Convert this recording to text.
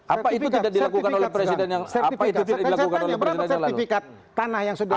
apa itu tidak dilakukan oleh presiden yang lalu